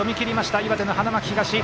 岩手の花巻東。